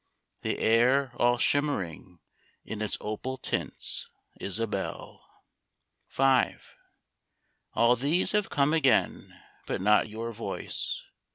The air all shimmering in its opal tints, — Isabelle ! V. All these have come again, but not your voice